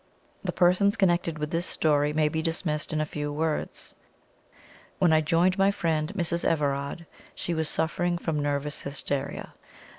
The persons connected with this story may be dismissed in a few words. When I joined my friend Mrs. Everard, she was suffering from nervous hysteria.